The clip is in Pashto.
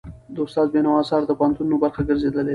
د استاد بينوا آثار د پوهنتونونو برخه ګرځېدلي دي.